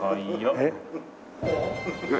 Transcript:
えっ？